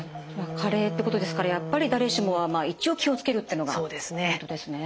加齢ってことですからやっぱり誰しもは一応気を付けるっていうのがポイントですね。